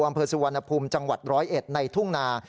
อำเภอสุวรรณภูมิจังหวัดร้อยเอ็ดในทุ่งนา